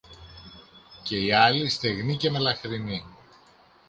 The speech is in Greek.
και η άλλη, στεγνή και μελαχρινή